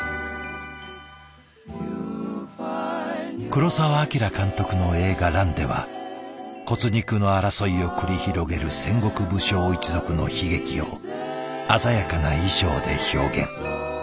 黒澤明監督の映画「乱」では骨肉の争いを繰り広げる戦国武将一族の悲劇を鮮やかな衣装で表現。